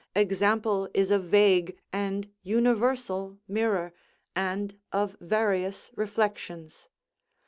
Example is a vague and universal mirror, and of various reflections.